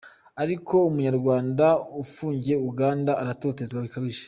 ariko umunyarwanda ufungiye Uganda aratotezwa bikabije.